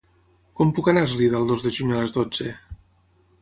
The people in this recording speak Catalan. Com puc anar a Eslida el dos de juny a les dotze?